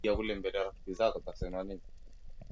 Kihispania asilimia kumi na mbili Dini Nchini